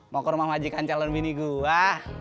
mau ke rumah majikan calon bini gua